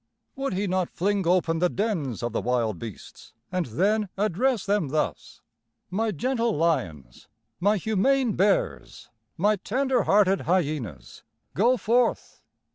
Would he not fling open the dens of the wild beasts, and then address them thus: 'My gentle lions, my humane bears, my tender hearted hyenas, go forth!